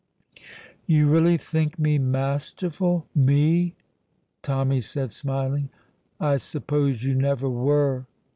"You really think me masterful me!" Tommy said, smiling. "I suppose you never were!"